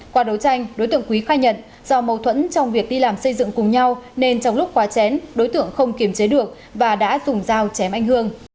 qua đấu tranh đối tượng quý khai nhận do mâu thuẫn trong việc đi làm xây dựng cùng nhau nên trong lúc khóa chén đối tượng không kiềm chế được và đã dùng dao chém anh hương